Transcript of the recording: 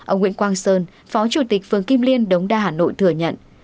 ông nguyễn quang sơn phó chủ tịch phường kim liên đống đa hà nội thừa nhận